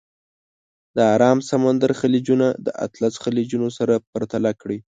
د ارام سمندر خلیجونه د اطلس خلیجونه سره پرتله کړئ.